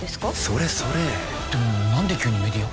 それそれでも何で急にメディア？